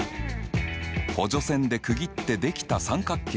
補助線で区切って出来た三角形